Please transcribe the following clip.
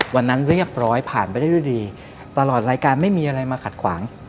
วันนั้นเรียบร้อยผ่านไปได้ด้วยดีตลอดรายการไม่มีอะไรมาขัดขวาง